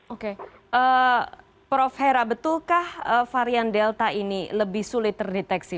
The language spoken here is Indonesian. oke prof hera betulkah varian delta ini lebih sulit terdeteksi